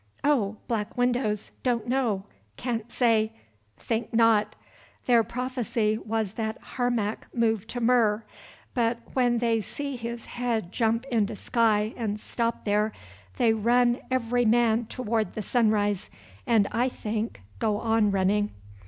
"Oh! Black Windows, don't know, can't say. Think not. Their prophecy was that Harmac move to Mur, but when they see his head jump into sky and stop there, they run every man toward the sunrise, and I think go on running."